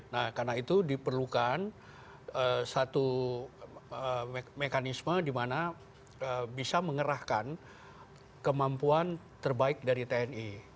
nah karena itu diperlukan satu mekanisme di mana bisa mengerahkan kemampuan terbaik dari tni